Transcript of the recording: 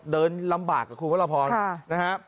เดินลำบากกับคุณพระราพรนะฮะ